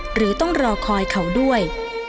หรือต้องรอคอยเขาด้วย